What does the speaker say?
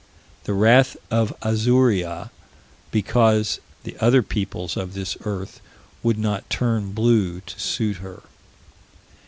The wrath of Azuria, because the other peoples of this earth would not turn blue to suit her.